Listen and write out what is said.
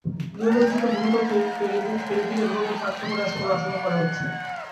নিমজ্জিত বহুতল ফেরিটিতে বহু মানুষ আটকা পড়ে আছে বলে আশঙ্কা করা হচ্ছে।